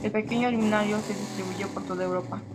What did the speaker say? El pequeño himnario se distribuyó por toda Europa.